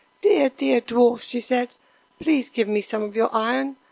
"Dear, dear dwarfs," she said, "please give me some of your iron.